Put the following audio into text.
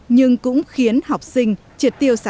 nhưng cũng khiến học sinh